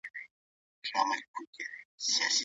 مور او پلار ستاسو جنت دی.